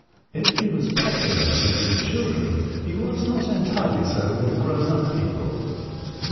*' If he was popular with the children, he was not entirely so with the grown up people.